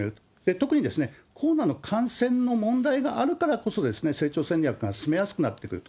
特にコロナの感染の問題があるからこそ成長戦略が進めやすくなってくると。